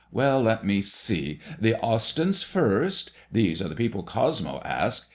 Well, let me see. The Austyns first. These are the people Cosmo asked.